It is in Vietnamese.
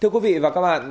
thưa quý vị và các bạn